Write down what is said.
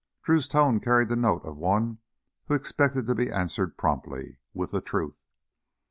Drew's tone carried the note of one who expected to be answered promptly with the truth.